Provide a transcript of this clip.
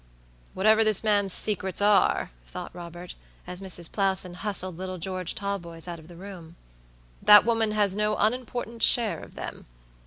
"Whatever this man's secrets are," thought Robert, as Mrs. Plowson hustled little George Talboys out of the room, "that woman has no unimportant share of them.